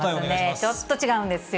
ちょっと違うんですよ。